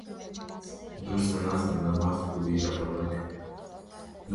Դուրս մնաց մենամարտ փուլի ժամանակ։